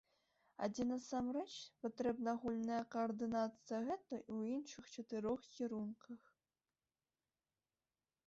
А дзе насамрэч патрэбна агульная каардынацыя, гэта ў іншых чатырох кірунках.